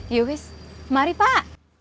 yowis mari pak